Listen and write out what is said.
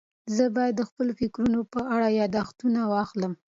زه باید د خپلو فکرونو په اړه یاداښتونه واخلم.